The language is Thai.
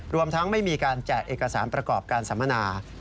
รวมทั้งไม่มีการแจกเอกสารประกอบการสัมมนา